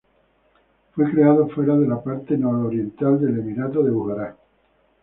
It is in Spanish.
Fue creado fuera de la parte nororiental del Emirato de Bujará.